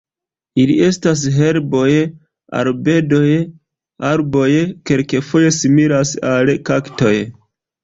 Ili estas herboj, arbedoj, arboj, kelkfoje similas al kaktoj.